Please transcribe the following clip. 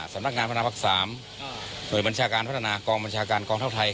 สำนักงานพนักภาคสามหน่วยบัญชาการพัฒนากองบัญชาการกองเท่าไทยครับ